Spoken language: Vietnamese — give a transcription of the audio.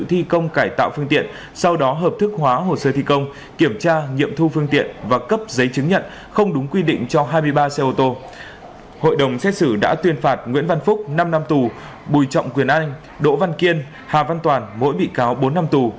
hội đồng xét xử đã tuyên phạt nguyễn văn phúc năm năm tù bùi trọng quyền anh đỗ văn kiên hà văn toàn mỗi bị cáo bốn năm tù